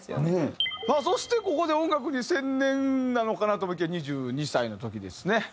そしてここで音楽に専念なのかなと思いきや２２歳の時ですね。